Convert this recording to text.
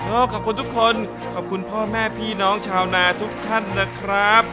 ขอบคุณทุกคนขอบคุณพ่อแม่พี่น้องชาวนาทุกท่านนะครับ